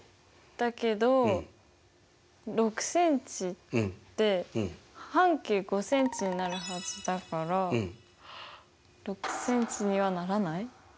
だけど６ｃｍで半径５ｃｍになるはずだから６ｃｍにはならない？